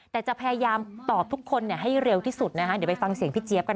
แต่จะพยายามตอบทุกคนให้เร็วที่สุดนะคะ